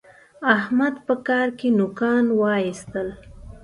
احمد په کار کې نوکان واېستل.